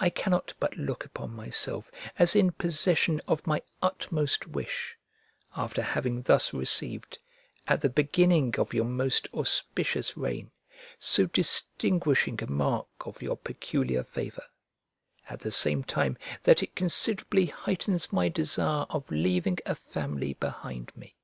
I cannot but look upon myself as in possession of my utmost wish, after having thus received, at the beginning of your most auspicious reign, so distinguishing a mark of your peculiar favour; at the same time that it considerably heightens my desire of leaving a family behind me.